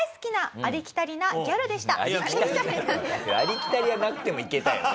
「ありきたり」はなくてもいけたよね。